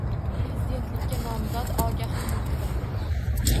Prezidentlikka nomzod Ogahiy yurtida